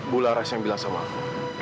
bu laras yang bilang sama aku